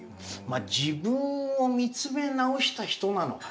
まあ自分を見つめ直した人なのかな。